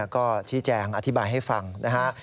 ก็ชี้แจงอธิบายให้ฟังนะฮะ